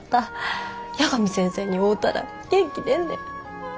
八神先生に会うたら元気出んねん。